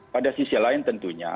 pada sisi lain tentunya